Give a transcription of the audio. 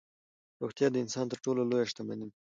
روغتیا د انسان تر ټولو لویه شتمني ده.